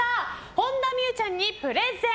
本田望結ちゃんにプレゼン！